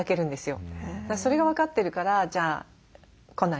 それが分かってるからじゃあ来ない？